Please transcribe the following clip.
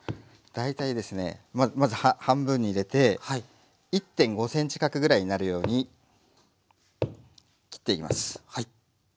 大体ですねまず半分に入れて１．５ｃｍ角ぐらいになるように切っていきます。